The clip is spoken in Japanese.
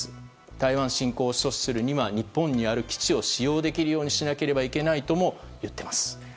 台湾侵攻を阻止するには日本にある基地を使用できるようにしなければいけないと言っています。